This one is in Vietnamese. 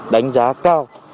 đánh giá cao